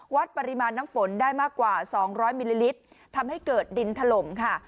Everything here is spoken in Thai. วัดปริมาณน้ำฝนได้มากกว่า๒๐๐มิลลิลิตรทำให้เกิดดินถล่มค่ะ